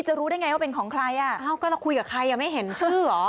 รู้ได้ไงว่าเป็นของใครอ่ะอ้าวก็เราคุยกับใครอ่ะไม่เห็นชื่อเหรอ